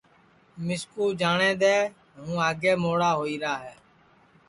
مِسکُو جاٹؔدؔے ہُوں آگے مھوڑا ہوئیرا ہے